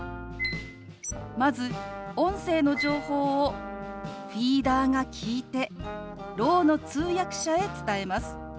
まず音声の情報をフィーダーが聞いてろうの通訳者へ伝えます。